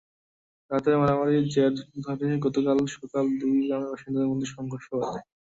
রাতের মারামারির জের ধরে গতকাল সকালে দুই গ্রামের বাসিন্দাদের মধ্যে সংঘর্ষ বাধে।